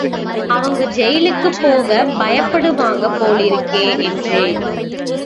அவங்க ஜெயிலுக்குப் போகப் பயப்படுவாங்க போலிருக்கே என்றேன்.